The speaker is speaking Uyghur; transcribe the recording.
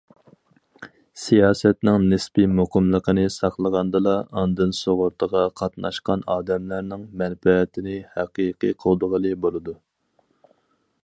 سىياسەتنىڭ نىسپىي مۇقىملىقىنى ساقلىغاندىلا، ئاندىن سۇغۇرتىغا قاتناشقان ئادەملەرنىڭ مەنپەئەتىنى ھەقىقىي قوغدىغىلى بولىدۇ.